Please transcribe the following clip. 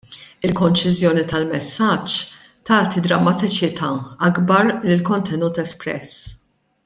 Il-konċiżjoni tal-messaġġ tagħti drammatiċità akbar lill-kontenut espress.